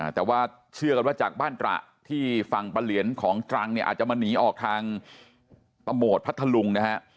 แต่ว่าเชื่อกันว่าจากบ้านตระที่ฝั่งปะเหลียนของตรังเนี่ยอาจจะมาหนีออกทางตะโหมดพัทธลุงนะฮะ